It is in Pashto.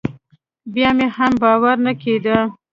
بيا مې هم باور نه کېده.